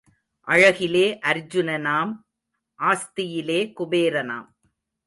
அழகிலே அர்ஜூனனாம் ஆஸ்தியிலே குபேரனாம்.